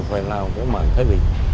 phải làm cái mảng thái bình